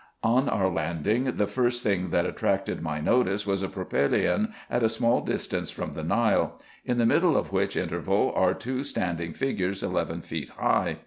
On our landing, the first thing that attracted my notice was a propylaeon, at a small distance from the Nile ; in the middle of which interval are two standing figures eleven feet high.